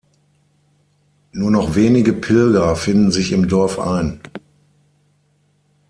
Nur noch wenige Pilger finden sich im Dorf ein.